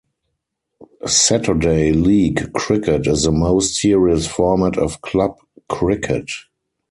Saturday league cricket is the most serious format of club cricket.